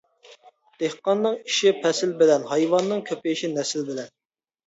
دېھقاننىڭ ئىشى پەسىل بىلەن، ھايۋاننىڭ كۆپىيىشى نەسىل بىلەن.